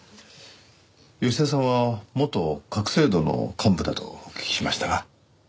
吉澤さんは元革青同の幹部だとお聞きしましたが。